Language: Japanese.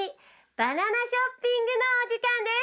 バナナショッピングのお時間です。